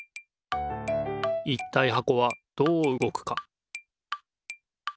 いったいはこはどううごくか？